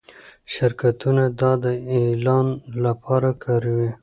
شرکتونه دا د اعلان لپاره کاروي.